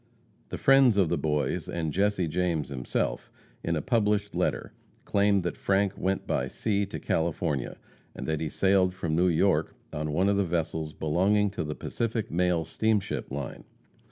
The friends of the Boys, and Jesse James himself, in a published letter, claim that Frank went by sea to California, and that he sailed from New York on one of the vessels belonging to the Pacific Mail Steamship Line.